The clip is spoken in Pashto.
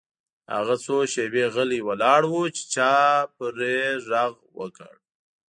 هغه څو شیبې غلی ولاړ و چې چا پرې غږ وکړ